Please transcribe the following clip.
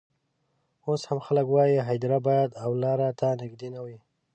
اوس هم خلک وايي هدیره باید و لاري ته نژدې نه وي.